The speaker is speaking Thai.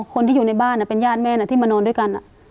คนที่อยู่ในบ้านเป็นญาติแม่ที่มานอนด้วยกัน